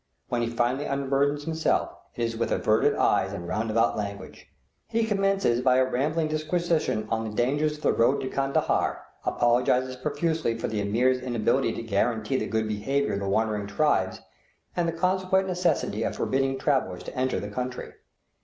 When he finally unburdens himself, it is with averted eyes and roundabout language. He commences by a rambling disquisition on the dangers of the road to Kandahar, apologizing profusely for the Ameer's inability to guarantee the good behavior of the wandering tribes, and the consequent necessity of forbidding travellers to enter the country.